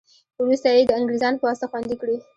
وروسته یې د انګرېزانو په واسطه خوندي کړې.